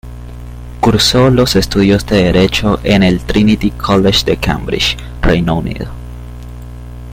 Cursó los estudios de Derecho en el Trinity College de Cambridge, Reino Unido.